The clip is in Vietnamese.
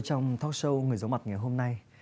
trong talk show người giống mặt ngày hôm nay